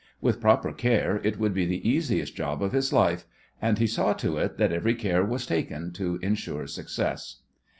With proper care it would be the easiest job of his life, and he saw to it that every care was taken to ensure success.